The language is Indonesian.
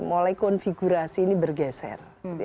mulai konfigurasi ini bergeser